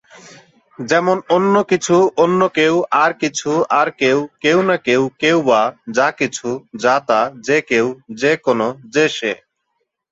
যেমন- অন্য-কিছু, অন্য-কেউ, আর-কিছু, আর-কেউ, কেউ-না-কেউ, কেউ-বা, যা-কিছু, যা-তা, যে-কেউ, যে-কোন, যে-সে।